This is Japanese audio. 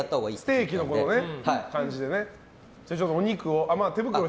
ステーキの感じでね。